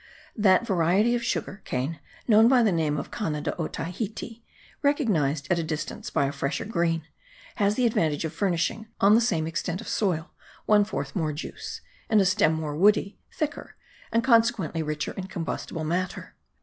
That variety of sugar cane known by the name of Cana de Otahiti, recognised at a distance by a fresher green, has the advantage of furnishing, on the same extent of soil, one fourth more juice, and a stem more woody, thicker, and consequently richer in combustible matter.